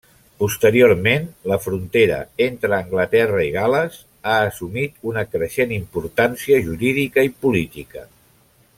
Posteriorment, la frontera entre Anglaterra i Gal·les ha assumit una creixent importància jurídica i política.